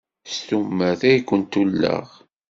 S tumert ay kent-ulleɣ.